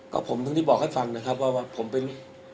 ก็ผมถึงได้บอกให้ฟังนะครับว่าผมเป็น